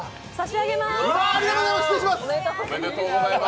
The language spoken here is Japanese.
うわー、ありがとうございます。